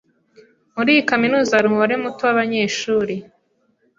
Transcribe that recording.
Muri iyi kaminuza hari umubare muto wabanyeshuri.